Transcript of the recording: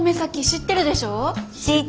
知ってる。